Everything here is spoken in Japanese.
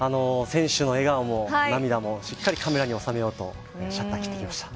選手の笑顔も涙も、しっかりカメラにおさめようと、シャッターを切ってきました。